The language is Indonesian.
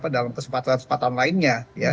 dalam kesempatan kesempatan lainnya